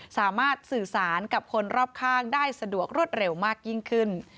สามารถสื่อสารกับคนรอบข้างได้สะดวกรวดเร็วมากยิ่งขึ้น